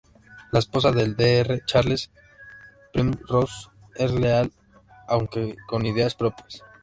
La esposa del Dr. Charles Primrose es leal, aunque con ideas propias.